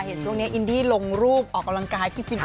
เห็นตรงนี้อินดี้ลงรูปออกกำลังกายอิกฟิตเน็ต